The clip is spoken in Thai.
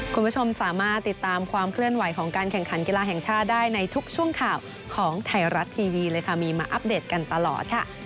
คุณผู้ชมสามารถติดตามความเคลื่อนไหวของการแข่งขันกีฬาแห่งชาติได้ในทุกช่วงข่าวของไทยรัฐทีวีเลยค่ะมีมาอัปเดตกันตลอดค่ะ